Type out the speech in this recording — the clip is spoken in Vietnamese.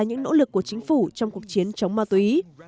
những nỗ lực của chính phủ trong cuộc chiến chống ma túy